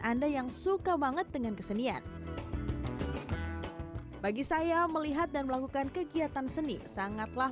anda yang suka banget dengan kesenian bagi saya melihat dan melakukan kegiatan seni sangatlah